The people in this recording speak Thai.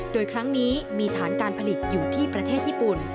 โดยครั้งนี้มีฐานการผลิตอยู่ที่ประเทศญี่ปุ่น